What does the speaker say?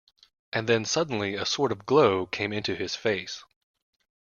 And then suddenly a sort of glow came into his face.